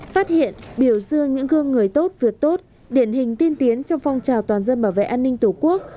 phát hiện biểu dương những gương người tốt việc tốt điển hình tiên tiến trong phong trào toàn dân bảo vệ an ninh tổ quốc